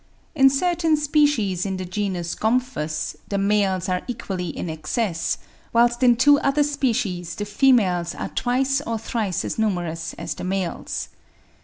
In certain species in the genus Gomphus the males are equally in excess, whilst in two other species, the females are twice or thrice as numerous as the males.